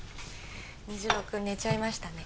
虹朗君寝ちゃいましたね